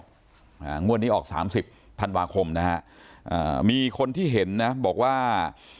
อ่างวดนี้ออกสามสิบธันวาคมนะฮะอ่ามีคนที่เห็นนะบอกว่า